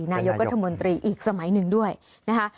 นายกรัฐมนตรีอีกสมัยหนึ่งด้วยนะคะ